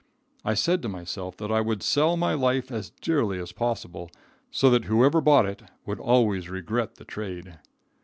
I said to myself that I would sell my life as dearly as possible, so that whoever bought it would always regret the trade.